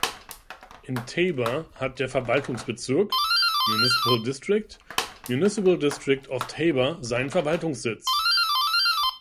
In Taber hat der Verwaltungsbezirk („Municipal District“) Municipal District of Taber seinen Verwaltungssitz.